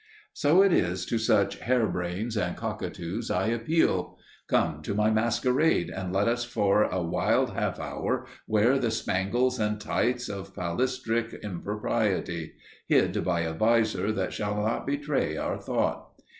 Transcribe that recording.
So it is to such hair brains and cockatoos I appeal. Come to my Masquerade and let us for a wild half hour wear the spangles and tights of palestric impropriety, hid by a visor that shall not betray our thought.